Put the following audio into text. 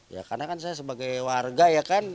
ya karena kan saya sebagai warga ya kan